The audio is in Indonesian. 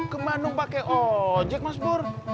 ke bandung pake ojek mas pur